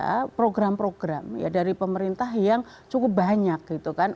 ini kan ada program program dari pemerintah yang cukup banyak gitu kan